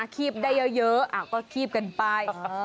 คีบได้เยอะก็คีบกันไป